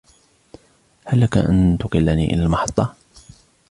هل لك أن تقلني إلى المحطة ؟